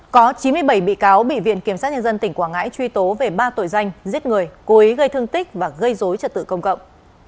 có chín mươi bảy bị cáo bị viện kiểm sát nhân dân tỉnh quảng ngãi truy tố về ba tội danh giết người cố ý gây thương tích và gây dối trật tự công cộng